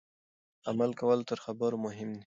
عمل کول تر خبرو مهم دي.